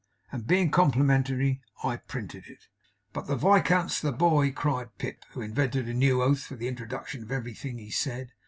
And being complimentary, I printed it.' 'But the Viscount's the boy!' cried Pip, who invented a new oath for the introduction of everything he said.